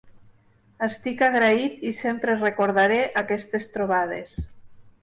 Estic agraït i sempre recordaré aquestes trobades.